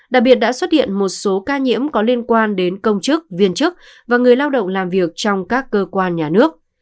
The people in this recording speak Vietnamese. đặc biệt đã xuất hiện một số ca nhiễm có liên quan đến công chức viên chức và người lao động làm việc trong các cơ quan nhà nước